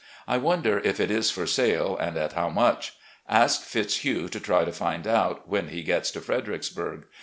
I wonder if it is for sale and at how much. Ask Fitzhugh to try to find out, when he gets to Fredericksburg.